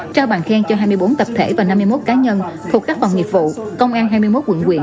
trao bàn khen cho hai mươi bốn tập thể và năm mươi một cá nhân thuộc các phòng nghiệp vụ công an hai mươi một quận quyệ